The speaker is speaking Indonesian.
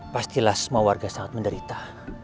pastilah semua warga sangat menderita